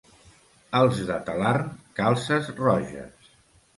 Els de Talarn, calces roges.